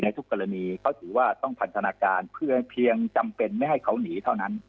ทุกกรณีเขาถือว่าต้องพันธนาการเพื่อเพียงจำเป็นไม่ให้เขาหนีเท่านั้น